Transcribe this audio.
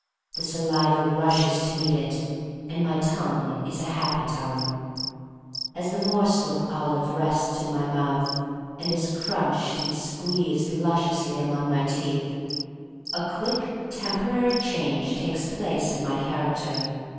The saliva rushes to meet it, and my tongue is a happy tongue. As the morsel of olive rests in my mouth and is crunched and squeezed lusciously among my teeth, a quick, temporary change takes place in my character.